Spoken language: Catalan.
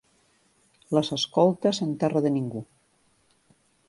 Les escoltes en terra de ningú